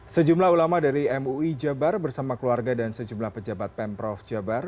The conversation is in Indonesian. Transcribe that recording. sejumlah ulama dari mui jabar bersama keluarga dan sejumlah pejabat pemprov jabar